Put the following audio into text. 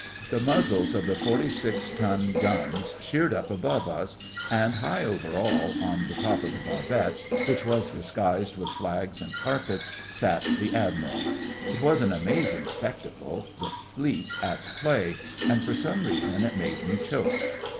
The muzzles of the forty six ton guns sheered up above us, and high over all, on the top of the barbette, which was disguised with flags and carpets, sat the Admiral. It was an amazing spectacle—the Fleet at play, and for some reason, it made me choke.